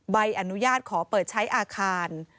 ใบอนุญาตขอเปิดใช้อาคาร